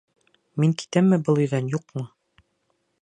Мин китәмме был өйҙән, юҡмы?